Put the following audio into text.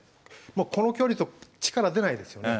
この距離だと力出ないですよね。